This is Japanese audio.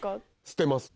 捨てます。